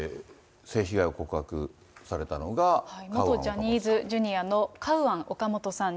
元ジャニーズＪｒ．のカウアン・オカモトさん